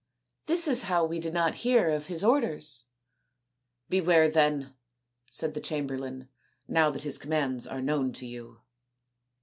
This is how we did not hear of his orders." " Beware, then," said the chamberlain, " now that his commands are known to you."